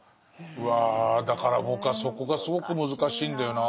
うわだから僕はそこがすごく難しいんだよな。